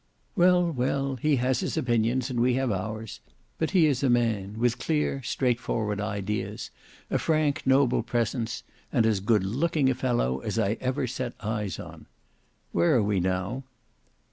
"Well, well; he has his opinions and we have ours. But he is a man; with clear, straightforward ideas, a frank, noble, presence; and as good looking a fellow as I ever set eyes on. Where are we now?"